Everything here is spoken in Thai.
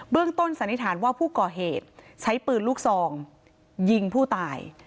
ต้นสันนิษฐานว่าผู้ก่อเหตุใช้ปืนลูกซองยิงผู้ตาย